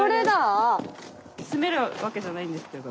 住めるわけじゃないんですけど。